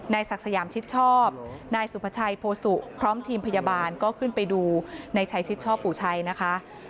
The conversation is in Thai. ศักดิ์สยามชิดชอบนายสุภาชัยโพสุพร้อมทีมพยาบาลก็ขึ้นไปดูนายชัยชิดชอบปู่ชัยนะคะ